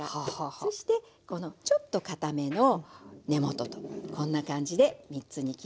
そしてこのちょっとかための根元とこんな感じで３つに切りました。